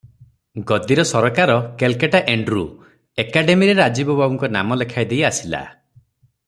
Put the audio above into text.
ଗଦିର ସରକାର କେଲକାଟା ଏଣ୍ଡ୍ରୁ, ଏକାଡେମିରେ ରାଜୀବ ବାବୁଙ୍କ ନାମ ଲେଖାଇ ଦେଇ ଆସିଲା ।